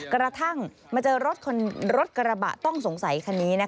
กระทั่งมาเจอรถกระบะต้องสงสัยคันนี้